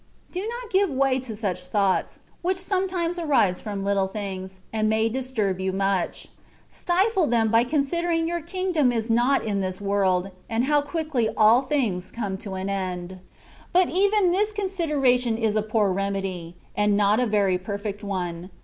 Do not give way to such thoughts, which some times arise from little things, and may disturb you much. Stifle them by considering that your '^ kingdom ^' is not in this world, and how quickly all things come to an end. But even this consideration is a poor remedy, ^nd not a very perfect one.